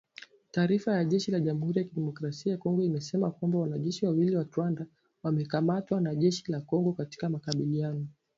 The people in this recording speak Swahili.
Taarifa ya jeshi la Jamhuri ya Kidemokrasia ya Kongo imesema kwamba wanajeshi wawili wa Rwanda wamekamatwa na jeshi la Kongo katika makabiliano